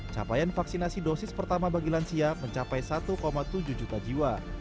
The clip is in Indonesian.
capaian vaksinasi dosis pertama bagi lansia mencapai satu tujuh juta jiwa